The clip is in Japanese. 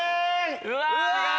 うわ！